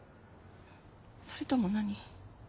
それとも何？